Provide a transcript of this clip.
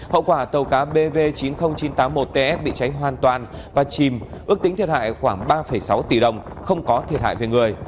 hậu quả tàu cá bv chín mươi nghìn chín trăm tám mươi một ts bị cháy hoàn toàn và chìm ước tính thiệt hại khoảng ba sáu tỷ đồng không có thiệt hại về người